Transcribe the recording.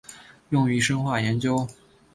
用于生化研究。